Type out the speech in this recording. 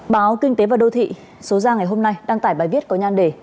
báo kinh tế và đô thị số ra ngày hôm nay đăng tải bài viết có nhan đề